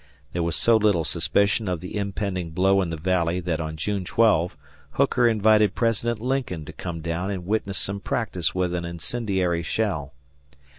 There was so little suspicion of the impending blow in the Valley that on June 12 Hooker invited President Lincoln to come down and witness some practice with an incendiary shell.